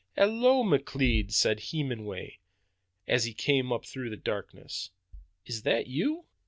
"Hallo, McLeod," said Hemenway as he came up through the darkness, "is that you?"